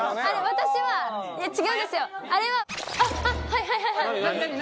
私は違うんですよ。